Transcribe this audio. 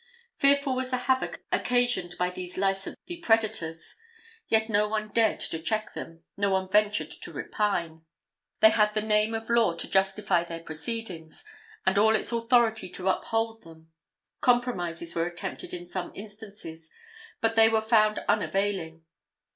Fearful was the havoc occasioned by these licensed depredators, yet no one dared to check them no one ventured to repine. They had the name of law to justify their proceedings, and all its authority to uphold them. Compromises were attempted in some instances, but they were found unavailing.